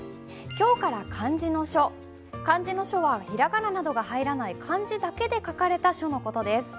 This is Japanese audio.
今日から漢字の書は平仮名などが入らない漢字だけで書かれた書の事です。